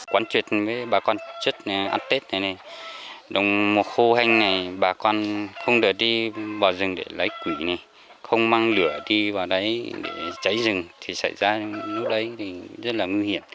quán truyệt với bà con trước ăn tết này này đồng mùa khô hanh này bà con không đợi đi vào rừng để lấy quỷ này không mang lửa đi vào đấy để cháy rừng thì xảy ra lúc đấy thì rất là nguy hiểm